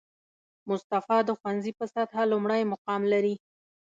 مصطفی د ښوونځي په سطحه لومړی مقام لري